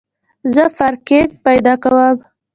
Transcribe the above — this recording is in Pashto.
زه پارکینګ پیدا کوم